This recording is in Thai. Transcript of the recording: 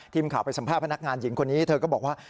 ทีมข่าวไปสัมภาษณ์พนักงานหญิงคนนี้เธอก็บอกว่า